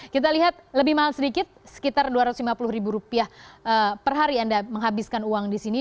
kita lihat lebih mahal sedikit sekitar dua ratus lima puluh ribu rupiah per hari anda menghabiskan uang di sini